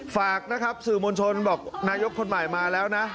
ฝากนะครับสื่อมวลชนบอกนายกคนใหม่มาแล้วนะ